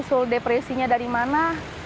asal usul depresinya dari mana